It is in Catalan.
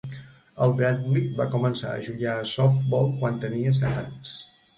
El Bradley va començar a jugar a softball quan tenia set anys.